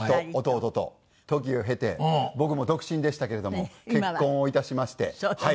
時を経て僕も独身でしたけれども結婚をいたしましてはい。